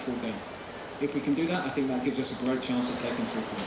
jika kita bisa melakukannya saya pikir itu memberi kita kesempatan yang besar untuk menang